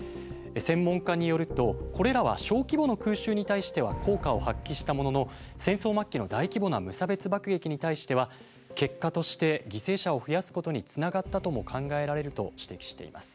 専門家によるとこれらは小規模の空襲に対しては効果を発揮したものの戦争末期の大規模な無差別爆撃に対しては結果として犠牲者を増やすことにつながったとも考えられると指摘しています。